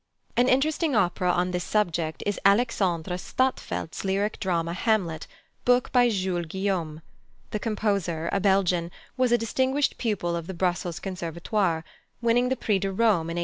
An interesting opera on this subject is +Alexandre Stadtfeldt's+ lyric drama Hamlet, book by Jules Guillaume. The composer, a Belgian, was a distinguished pupil of the Brussels Conservatoire, winning the Prix de Rome in 1849.